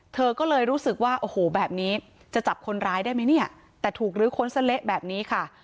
เธอก็เลยรู้สึกว่าโอ้โหแบบนี้จะจับคนร้ายได้ไหมเนี่ยแต่ถูกลื้อค้นซะเละแบบนี้ค่ะ